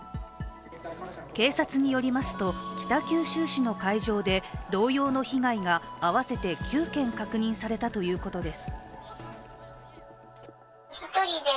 警察によりますと、北九州市の会場で同様の被害が合わせて９件確認されたということです。